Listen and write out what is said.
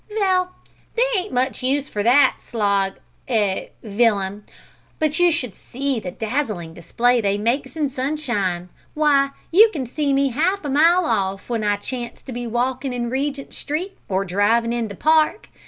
"Vell, they ain't much use for that, Slog eh, Villum; but you should see the dazzling display they makes in sunshine. W'y, you can see me half a mile off w'en I chance to be walking in Regent Street or drivin' in the Park.